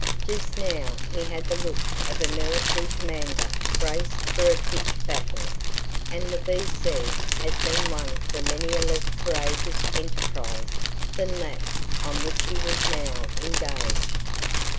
Just now he had the look of a military commander braced for a pitched battle. And the V.C. has been won for many a less courageous enterprise than that on which he was now engaged.